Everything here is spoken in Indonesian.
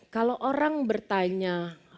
kalau orang bertanya